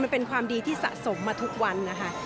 มันเป็นความดีที่สะสมมาทุกวันนะคะ